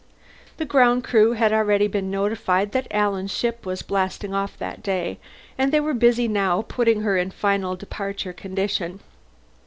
The ground crew had already been notified that Alan's ship was blasting off that day, and they were busy now putting her in final departure condition.